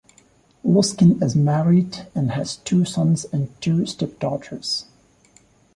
Luskin is married and has two sons and two step daughters.